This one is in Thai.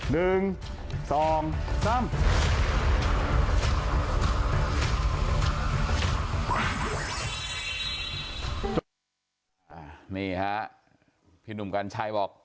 นี่ฮะพี่หนุ่มกัญชัยบอก